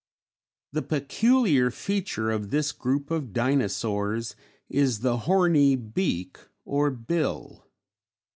The peculiar feature of this group of Dinosaurs is the horny beak or bill.